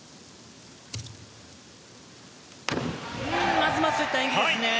まずまずといった演技ですね。